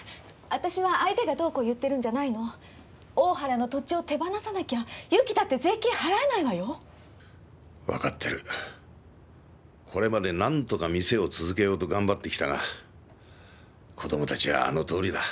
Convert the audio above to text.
私は相手がどうこう言ってるんおおはらの土地を手放さなきゃ友紀だって分かってるこれまでなんとか店を続けようと頑張ってきたが子どもたちはあのとおりだ